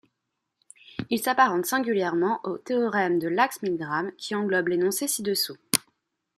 Il s'apparente singulièrement au théorème de Lax-Milgram qui englobe l'énoncé ci-dessous.